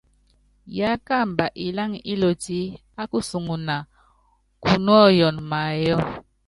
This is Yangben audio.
Yákamba iláŋa ílotí á kusuŋuna kunúɔ́yɔnɔ mayɔ́.